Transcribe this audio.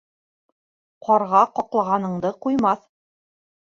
Ҡарға ҡаҡлағаныңды ҡуймаҫ.